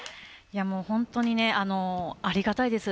本当にありがたいです。